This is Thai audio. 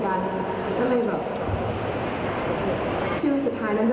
ช่วงที่ตื่นเต้นที่สุดก็คือเข้ารอบ๑๓คนค่ะ